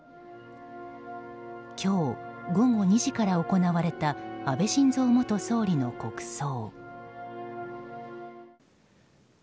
今日、午後２時から行われた安倍晋三元総理の国葬。